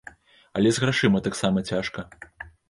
Але і з грашыма таксама цяжка.